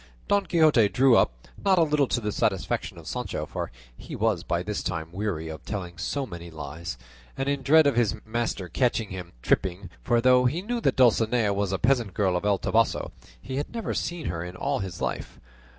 Don Quixote drew up, not a little to the satisfaction of Sancho, for he was by this time weary of telling so many lies, and in dread of his master catching him tripping, for though he knew that Dulcinea was a peasant girl of El Toboso, he had never seen her in all his life.